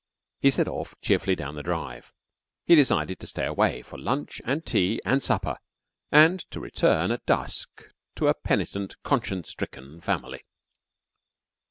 He set off cheerfully down the drive. He decided to stay away for lunch and tea and supper, and to return at dusk to a penitent, conscience stricken family.